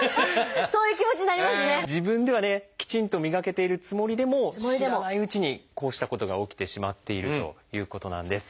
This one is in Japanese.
自分ではねきちんと磨けているつもりでも知らないうちにこうしたことが起きてしまっているということなんです。